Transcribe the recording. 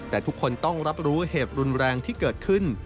แต่ทุกคนต้องรับรู้เหตุรุนแรงที่เกิดขึ้น